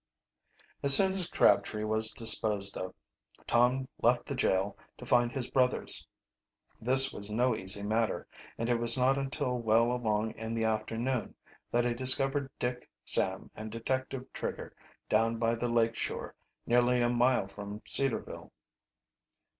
As soon as Crabtree was disposed of, Tom left the jail to find his brothers. This was no easy matter, and it was not until well along in the afternoon that he discovered Dick, Sam, and Detective Trigger down by the lake shore nearly a mile from Cedarville.